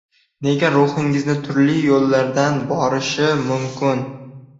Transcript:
Negaki, ruhingiz turli yo‘llardan borishi mumkin.